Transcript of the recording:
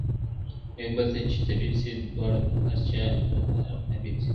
یوه بل ته چي طبیب سي د زاړه پرهار حبیب سي ,